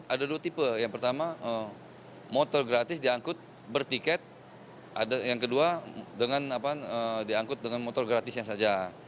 ada dua tipe yang pertama motor gratis diangkut bertiket yang kedua dengan diangkut dengan motor gratisnya saja